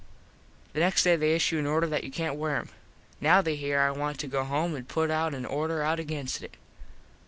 The next day they issue an order that you cant wear em. Now they hear I want to go home an put an order out against it.